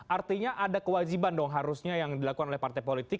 artinya ada kewajiban dong harusnya yang dilakukan oleh partai politik